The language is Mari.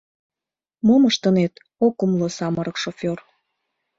— Мом ыштынет? — ок умыло самырык шофёр.